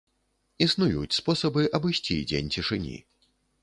Існуюць спосабы абысці дзень цішыні.